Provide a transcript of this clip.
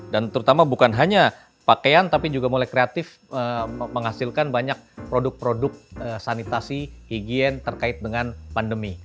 dan terutama bukan hanya pakaian tapi juga mulai kreatif menghasilkan banyak produk produk sanitasi higien terkait dengan pandemi